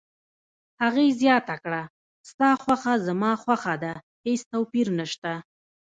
هغې زیاته کړه: ستا خوښه زما خوښه ده، هیڅ توپیر نشته.